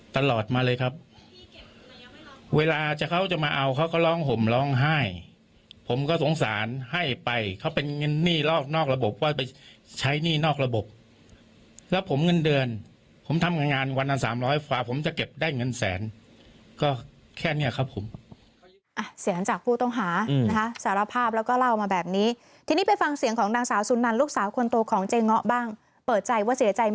ตลอดมาเลยครับเวลาจะเขาจะมาเอาเขาก็ร้องห่มร้องไห้ผมก็สงสารให้ไปเขาเป็นเงินหนี้นอกนอกระบบว่าไปใช้หนี้นอกระบบแล้วผมเงินเดือนผมทำงานวันละสามร้อยกว่าผมจะเก็บได้เงินแสนก็แค่เนี้ยครับผมอ่ะเสียงจากผู้ต้องหานะคะสารภาพแล้วก็เล่ามาแบบนี้ทีนี้ไปฟังเสียงของนางสาวสุนันลูกสาวคนโตของเจ๊เงาะบ้างเปิดใจว่าเสียใจ